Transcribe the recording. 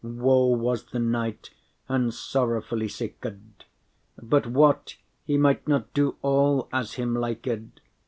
” Woe was the knight, and sorrowfully siked;* *sighed But what? he might not do all as him liked.